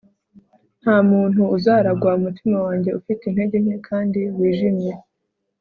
Ntamuntu uzaragwa umutima wanjye ufite intege nke kandi wijimye